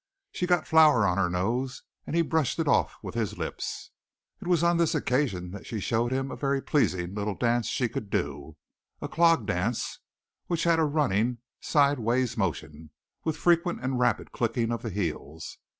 She got flour on her nose and he brushed it off with his lips. It was on this occasion that she showed him a very pleasing little dance she could do a clog dance, which had a running, side ways motion, with frequent and rapid clicking of the heels.